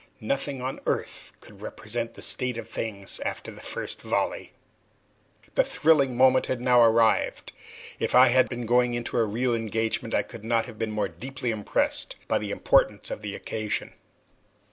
Nothing on earth could represent the state of things after the first volley. (Fort Slatter detail graphic) The thrilling moment had now arrived. If I had been going into a real engagement I could not have been more deeply impressed by the importance of the occasion.